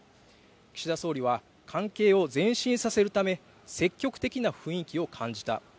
岸田総理は関係を前進させるため積極的な雰囲気を感じた。